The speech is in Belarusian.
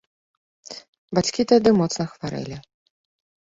Бацькі тады моцна хварэлі.